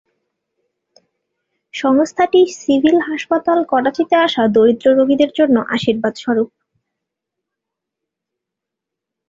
সংস্থাটি সিভিল হাসপাতাল করাচিতে আসা দরিদ্র রোগীদের জন্য আশীর্বাদ স্বরূপ।